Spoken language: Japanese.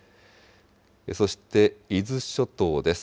そして伊豆諸島です。